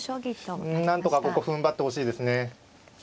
なんとかここふんばってほしいですね。